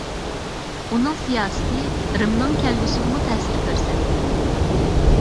ئۇنىڭ سىياسىتى رىمنىڭ كەلگۈسىگىمۇ تەسىر كۆرسەتتى.